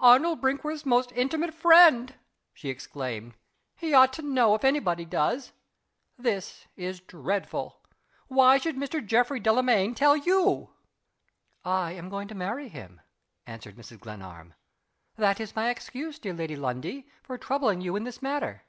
"Arnold Brinkworth's most intimate friend!" she exclaimed. "He ought to know if any body does. This is dreadful. Why should Mr. Geoffrey Delamayn tell you?" "I am going to marry him," answered Mrs. Glenarm. "That is my excuse, dear Lady Lundie, for troubling you in this matter."